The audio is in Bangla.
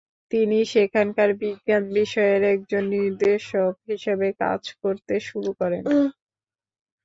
তিনি সেখানকার বিজ্ঞান বিষয়ের একজন নির্দেশক হিসেবে কাজ করতে শুরু করেন।